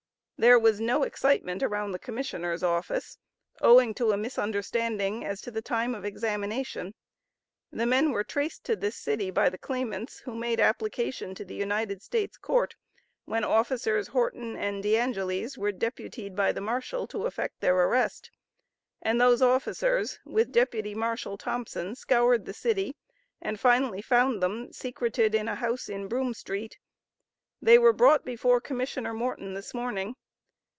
There was no excitement around the commissioner's office, owing to a misunderstanding as to the time of examination. The men were traced to this city by the claimants, who made application to the United States Court, when officers Horton and De Angeles were deputied by the marshal to effect their arrest, and those officers, with deputy Marshal Thompson scoured the city, and finally found them secreted in a house in Broome St. They were brought before Commissioner Morton this morning.